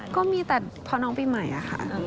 ก็มีแต่พอน้องปีใหม่อะค่ะ